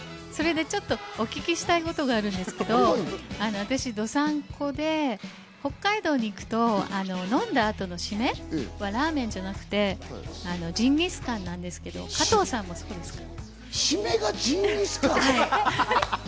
お聞きしたいことがあるんですけど、私、道産子で北海道に行くと、飲んだ後の締めはラーメンじゃなくて、ジンギスカンなんですけど、加藤さんもそうですか？